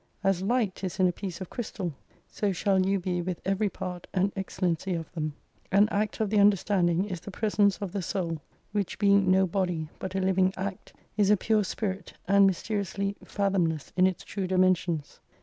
As light is in a piece of crystal, so shall you be with every part and excellency of them. An Act of the under standing is the presence of the Soul, which being no body but a living Act, is a pure spirit and mysteriously fathomless in its true dimensions.